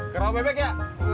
ke raupebek ya